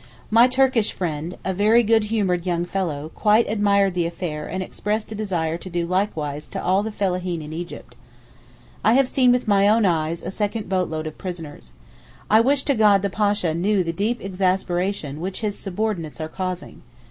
My Turkish friend (a very good humoured young fellow) quite admired the affair and expressed a desire to do likewise to all the fellaheen in Egypt. I have seen with my own eyes a second boatload of prisoners. I wish to God the Pasha knew the deep exasperation which his subordinates are causing.